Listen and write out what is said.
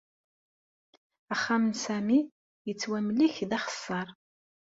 Axxam n Sami yettwamlek d axeṣṣar.